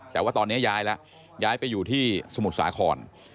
แต่ว่าตอนนี้ย้ายแล้วย้ายไปอยู่ที่สมุทรสาคร